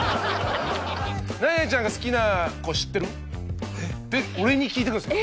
「何々ちゃんが好きな子知ってる？」って俺に聞いてくるんすよ。